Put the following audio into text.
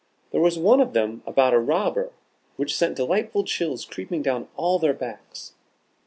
There was one of them about a robber, which sent delightful chills creeping down all their backs.